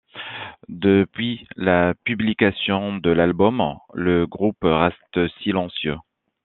Depuis la publication de l'album, le groupe reste silencieux.